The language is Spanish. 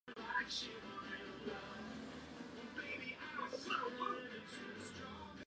Las guerras Genpei duraron cinco años y desembocaron en la destrucción de los Taira.